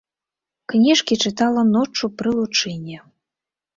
Кніжкі чытала ноччу пры лучыне.